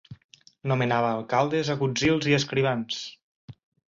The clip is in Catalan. Nomenava alcaldes, agutzils i escrivans.